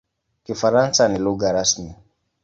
Kifaransa ni lugha rasmi.